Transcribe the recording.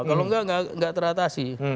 kalau enggak enggak teratasi